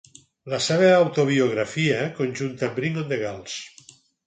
En la seva autobiografia conjunta Bring on the Girls!